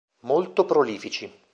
Molto prolifici.